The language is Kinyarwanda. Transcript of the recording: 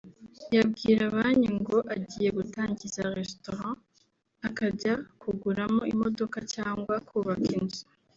yabwira banki ngo agiye gutangiza restaurant akajya kuguramo imodoka cyangwa kubaka inzu